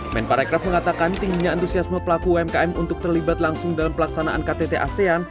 men parekraf mengatakan tingginya antusiasme pelaku umkm untuk terlibat langsung dalam pelaksanaan ktt asean